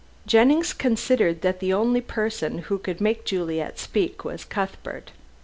Jennings considered that the only person who could make Juliet speak was Cuthbert.